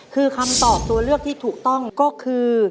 คือคำตอบตัวเลือกที่ถูกต้องก็คือ